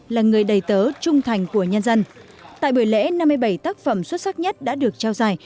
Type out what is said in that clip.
là người đầy tớ trung thành của nhân dân tại buổi lễ năm mươi bảy tác phẩm xuất sắc nhất đã được trao giải